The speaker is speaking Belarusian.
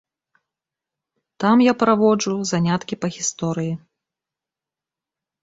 Там я праводжу заняткі па гісторыі.